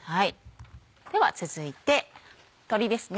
では続いて鶏ですね。